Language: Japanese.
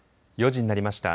４時になりました。